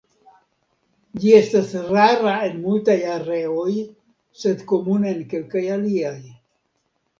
Ĝi estas rara en multaj areoj, sed komuna en kelkaj aliaj.